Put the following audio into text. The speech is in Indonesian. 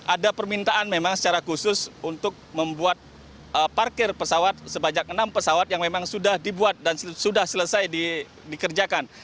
ada permintaan memang secara khusus untuk membuat parkir pesawat sebanyak enam pesawat yang memang sudah dibuat dan sudah selesai dikerjakan